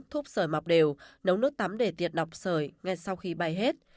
thúc sởi mọc đều nấu nước tắm để tiệt độc sởi ngay sau khi bay hết